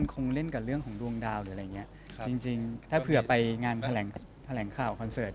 ต้องพริกทีมไปไหมครับเวลาคอนเสรต์